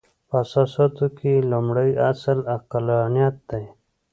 په اساساتو کې یې لومړۍ اصل عقلانیت دی.